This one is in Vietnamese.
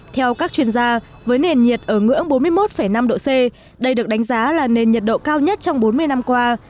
theo các chuyên gia với nền nhiệt ở ngưỡng bốn mươi một năm độ c đây được đánh giá là nền nhiệt độ cao nhất trong bốn mươi năm qua